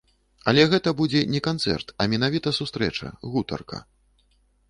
Але гэта будзе і не канцэрт, а менавіта сустрэча, гутарка.